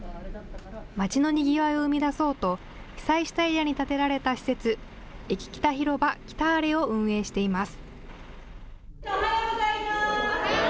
まちのにぎわいを生み出そうと被災したエリアに建てられた施設、駅北広場キターレを運営しています。